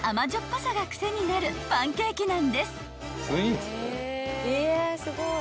ぱさが癖になるパンケーキなんです］